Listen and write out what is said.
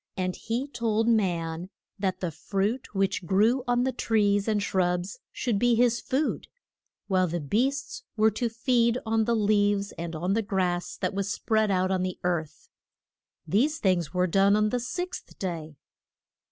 And he told man that the fruit which grew on the trees and shrubs should be his food, while the beasts were to feed on the leaves, and on the grass that was spread out on the earth. These things were done on the sixth day.